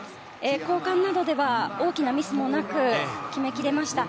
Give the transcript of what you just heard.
交換などでは大きなミスもなく決めきれました。